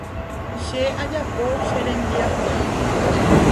Che ajapo che rembiaporã.